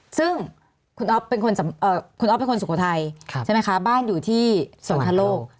ซึ่งคุณอ๊อฟเป็นคนสุโขทัยใช่มั้ยคะบ้านอยู่ที่สวรรค์ธโลก